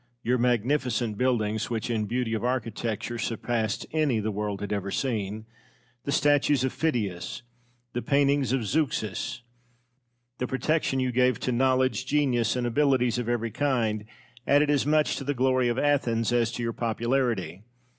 Your magnificent buildings (which in beauty of architecture surpassed any the world had ever seen), the statues of Phidias, the paintings of Zeuxis, the protection you gave to knowledge, genius, and abilities of every kind, added as much to the glory of Athens as to your popularity.